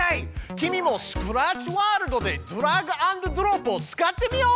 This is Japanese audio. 君もスクラッチワールドでドラッグアンドドロップを使ってみよう！